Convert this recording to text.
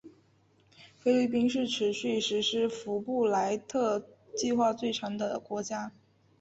菲律宾是持续实施福布莱特计划最长的国家。